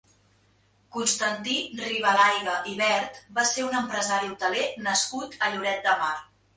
Constantí Ribalaiga i Vert va ser un empresari hoteler nascut a Lloret de Mar.